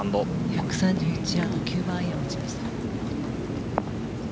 １３１ヤード９番アイアンを持ちました。